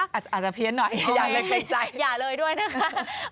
อาจจะเพี้ยนหน่อยอย่าเลยด้วยนะคะ